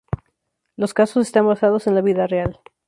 Los casos están basados en la vida real.